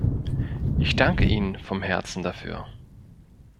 Ich danke Ihnen von Herzen dafür!